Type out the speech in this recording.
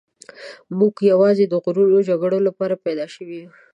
موږ یوازې د غرونو جګړو لپاره پیدا شوي یو.